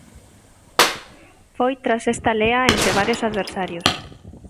Foi tras esta lea entre varios adversarios.